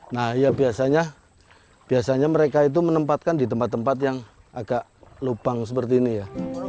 nah ya biasanya mereka itu menempatkan di tempat tempat yang agak lubang seperti ini ya